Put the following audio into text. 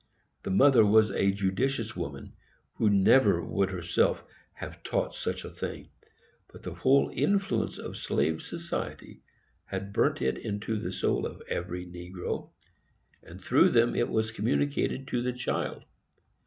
The mother was a judicious woman, who never would herself have taught such a thing; but the whole influence of slave society had burnt it into the soul of every negro, and through them it was communicated to the child.